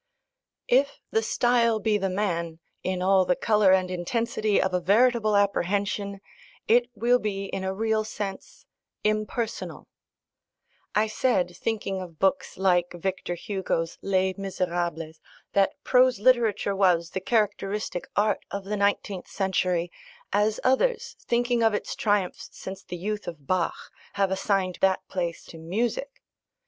If the style be the man, in all the colour and intensity of a veritable apprehension, it will be in a real sense "impersonal." I said, thinking of books like Victor Hugo's Les Misérables, that prose literature was the characteristic art of the nineteenth century, as others, thinking of its triumphs since the youth of Bach, have assigned that place to music.